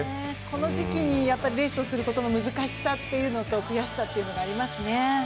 この時期にレースをすることの難しさっていうのと悔しさっていうのがありますね。